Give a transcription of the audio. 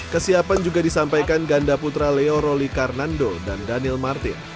kesiapan juga disampaikan ganda putra leo roli karnando dan daniel martin